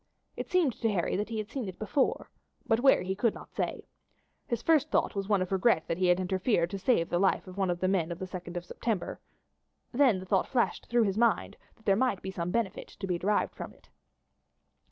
It seemed to Harry that he had seen it before, but where he could not say. His first thought was one of regret that he had interfered to save one of the men of the 2d of September; then the thought flashed through his mind that there might be some benefit to be derived from it.